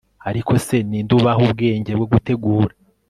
Ariko se ni nde ubaha ubwenge bwo gutegura